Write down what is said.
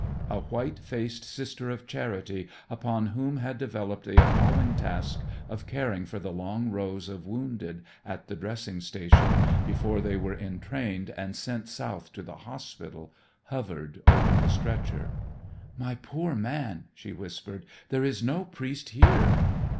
A white faced sister of charity upon whom had developed the appalling task of caring for the long rows of wounded at the dressing station before they were entrained and sent south to the hospital, hovered over the stretcher. "My poor man," she whispered, "there is no priest here."